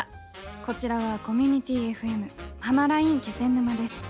こちらはコミュニティＦＭ「はまらいん気仙沼」です。